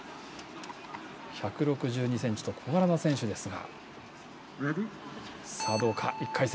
１６２ｃｍと小柄な選手ですが。